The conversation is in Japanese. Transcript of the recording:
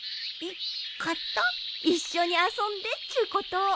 「えっ？かた」「一緒に遊んでっちゅうこと」